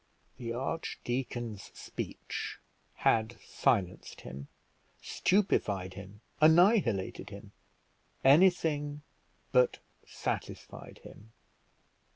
The archdeacon's speech had silenced him, stupefied him, annihilated him; anything but satisfied him.